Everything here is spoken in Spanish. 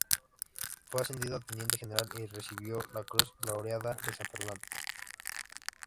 Fue ascendido a teniente general y recibió la cruz laureada de San Fernando.